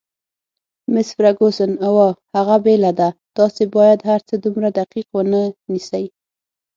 مس فرګوسن: اوه، هغه بېله ده، تاسي باید هرڅه دومره دقیق ونه نیسئ.